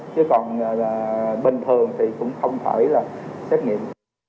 chứ còn bình thường thì cũng không phải là xét nghiệm